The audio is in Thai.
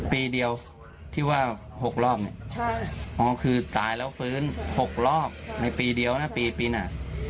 ปีเดียวที่ว่า๖รอบเนี่ยอ๋อคือตายแล้วฟื้น๖รอบในปีเดียวนะปีหน้า